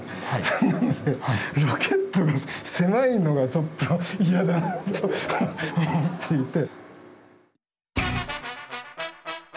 なのでロケットが狭いのがちょっとイヤだなと思っていて。